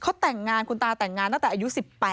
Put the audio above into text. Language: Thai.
เขาแต่งงานคุณตาแต่งงานตั้งแต่อายุ๑๘